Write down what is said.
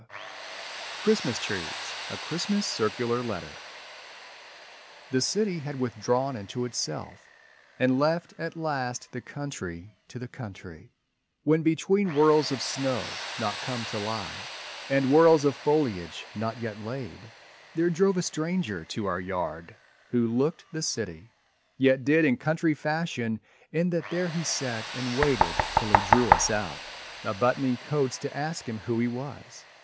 _ CHRISTMAS TREES (A Christmas Circular Letter) The city had withdrawn into itself And left at last the country to the country; When between whirls of snow not come to lie And whirls of foliage not yet laid, there drove A stranger to our yard, who looked the city, Yet did in country fashion in that there He sat and waited till he drew us out A buttoning coats to ask him who he was.